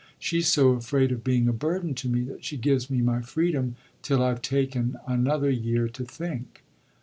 She's so afraid of being a burden to me that she gives me my freedom till I've taken another year to think."